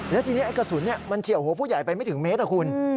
แล้วทีนี้ไอ้กระสุนมันเฉียวหัวผู้ใหญ่ไปไม่ถึงเมตรนะคุณ